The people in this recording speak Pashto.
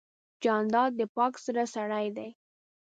جانداد د پاک زړه سړی دی.